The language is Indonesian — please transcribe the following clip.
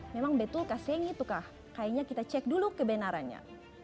memang betul kah seng itukah kayaknya kita cek dulu kebenarannya